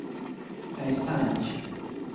طیف سنج